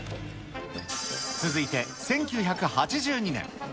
続いて１９８２年。